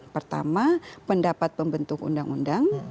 pertama pendapat pembentuk undang undang